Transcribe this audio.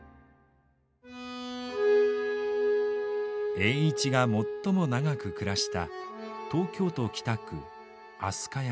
栄一が最も長く暮らした東京都北区飛鳥山。